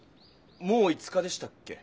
もう５日でしたっけ？